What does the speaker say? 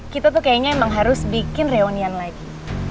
kita tuh kayaknya emang harus bikin reunian lagi